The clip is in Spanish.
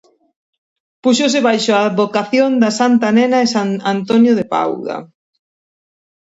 Se puso bajo la advocación de la Santa Niña y San Antonio de Padua.